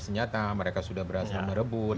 senjata mereka sudah berhasil merebut